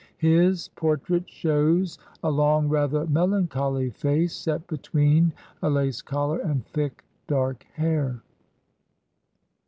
His portrait shows a long, rather melancholy face, set between a lace collar and thick, dark hair.